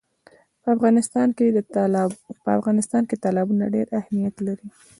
په افغانستان کې تالابونه ډېر اهمیت لري.